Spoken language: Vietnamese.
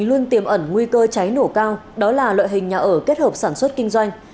luôn tiềm ẩn nguy cơ cháy nổ cao đó là loại hình nhà ở kết hợp sản xuất kinh doanh